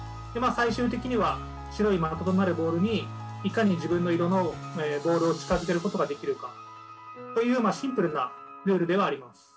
最終的には白い的となるボールにいかに自分の色のボールを近づけることができるかというシンプルなルールではあります。